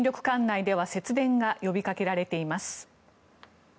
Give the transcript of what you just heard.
管内では節電が呼びかけられています。